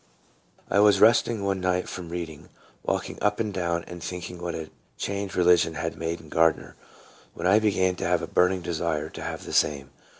I WAS resting one night from reading, walking up and down and thinking what a change religion had made in Gardner, when I began to have a burning desire to have the same.